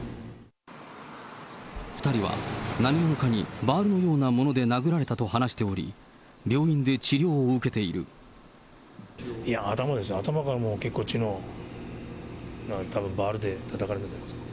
２人は何者かにバールのようなもので殴られたと話しており、いや、頭ですよ、頭からもう結構、血の、たぶんバールでたたかれたんじゃないですか。